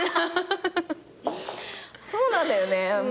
そうなんだよね。